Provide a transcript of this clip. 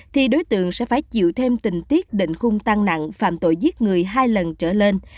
thì đối tượng sẽ phải chịu thêm tình tiết định khung tăng nặng phạm tội giết người hai lần trở lên